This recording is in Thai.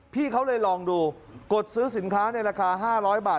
พี่เขาเลยลองดูกดซื้อสินค้าในราคา๕๐๐บาท